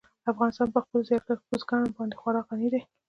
افغانستان په خپلو زیارکښو بزګانو باندې خورا غني دی.